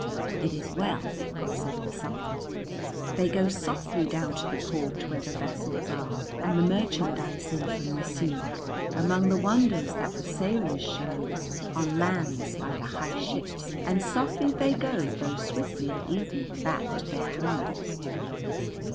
("It is well," said the Sultan.) "They go softly down to the port where the vessels are, and the merchandise in from the sea, amongst the wonders that the sailors show, on land by the high ships, and softly they go though swiftly at evening back to their homes.